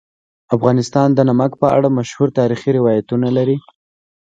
افغانستان د نمک په اړه مشهور تاریخی روایتونه لري.